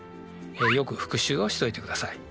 よく復習をしておいてください。